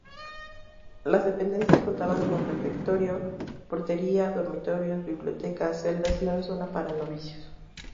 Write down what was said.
Las dependencias contaban con refectorio, portería, dormitorios, biblioteca, celdas y una zona para novicios.